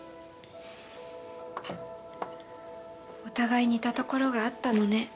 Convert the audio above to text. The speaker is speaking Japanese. お互い似たところがあったのね。